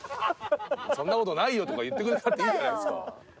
「そんなことないよ」とか言ってくれたっていいじゃないですか。